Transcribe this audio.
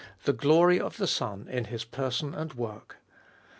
The Glory of the Son in His Person and Work.